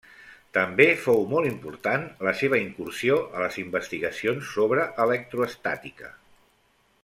També fou molt important la seva incursió a les investigacions sobre electroestàtica.